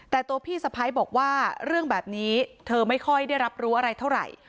แต่ตัวพี่สะพ้ายบอกว่าเรื่องแบบนี้เธอไม่ค่อยได้รับรู้อะไรเท่าไหร่